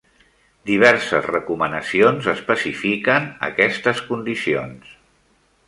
Diverses recomanacions especifiquen aquestes condicions.